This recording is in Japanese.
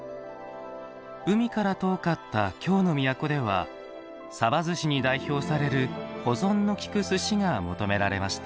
海から遠かった京の都ではさばずしに代表される保存のきく寿司が求められました。